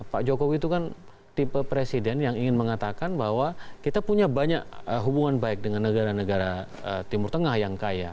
pak jokowi itu kan tipe presiden yang ingin mengatakan bahwa kita punya banyak hubungan baik dengan negara negara timur tengah yang kaya